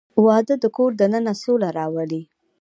• واده د کور دننه سوله راولي.